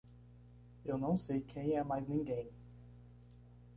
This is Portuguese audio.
Eu não sei quem é mais ninguém!